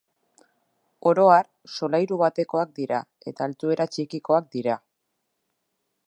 Oro har, solairu batekoak dira eta altuera txikikoak dira.